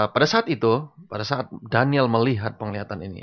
pada saat itu pada saat daniel melihat penglihatan ini